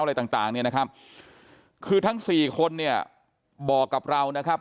อะไรต่างต่างเนี่ยนะครับคือทั้งสี่คนเนี่ยบอกกับเรานะครับ